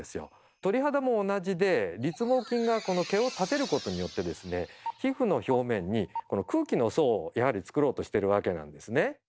鳥肌も同じで立毛筋がこの毛を立てることによって皮膚の表面にこの空気の層をやはり作ろうとしてるわけなんですね。